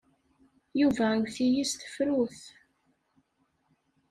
Yuba iwet-iyi s tefrut.